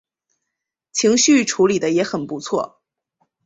情绪处理的也很不错